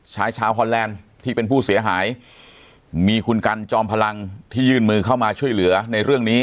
ชายชาวฮอนแลนด์ที่เป็นผู้เสียหายมีคุณกันจอมพลังที่ยื่นมือเข้ามาช่วยเหลือในเรื่องนี้